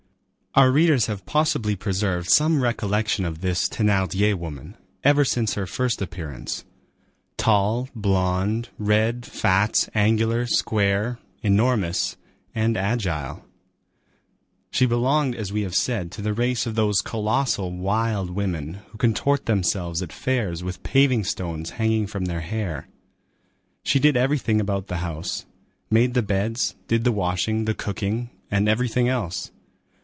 Our readers have possibly preserved some recollection of this Thénardier woman, ever since her first appearance,—tall, blond, red, fat, angular, square, enormous, and agile; she belonged, as we have said, to the race of those colossal wild women, who contort themselves at fairs with paving stones hanging from their hair. She did everything about the house,—made the beds, did the washing, the cooking, and everything else.